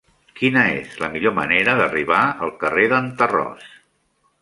Quina és la millor manera d'arribar al carrer d'en Tarròs?